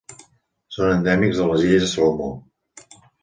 Són endèmics de les Illes Salomó.